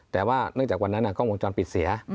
แต่ว่าเนื่องจากวันนั้นกล้องวงจรปิดเสีย